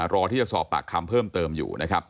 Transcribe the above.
รอที่จะสอบปากคำเพิ่มเติมอยู่นะครับ